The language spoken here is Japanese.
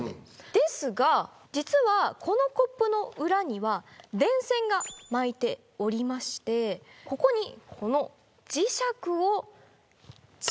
ですが実はこのコップの裏には電線が巻いておりましてここにこの。